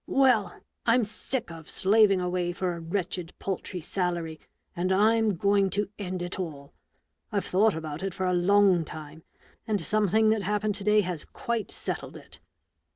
Well ! I'm sick of slaving away for a wretched paltry salary, and I'm going to end it all, I've thought about it for a long time, and something that happened to day has quite settled it.